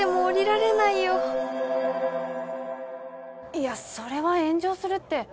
いやそれは炎上するって。